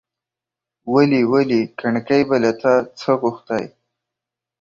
ولي! ولي! کڼکۍ به له تا څه غوښتاى ،